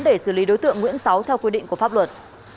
để xử lý đối tượng nguyễn sáu theo quy định của pháp luật